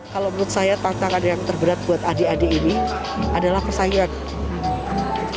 kalau menurut saya tantangan yang terberat buat adik adik ini adalah persaingan